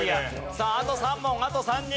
さああと３問あと３人。